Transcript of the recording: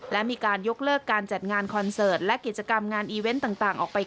และมีการยกเลิกการจัดงานคอนเสิร์ตและกิจกรรมงานอีเวนต์ต่างออกไป